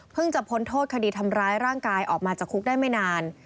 จะพ้นโทษคดีทำร้ายร่างกายออกมาจากคุกได้ไม่นาน